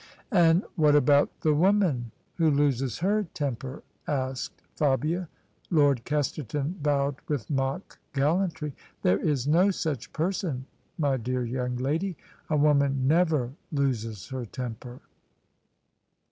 "And what about the woman who loses her temper?" asked Fabia. Lord Kesterton bowed with mock gallantry. " There is no such person, my dear young lady. A woman never loses her temper."